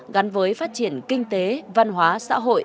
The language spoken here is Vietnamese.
gắn với phát triển kinh tế văn hóa xã hội